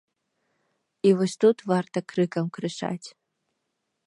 І вось тут варта крыкам крычаць.